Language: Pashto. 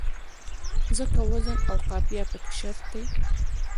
ځکه وزن او قافیه پکې شرط دی.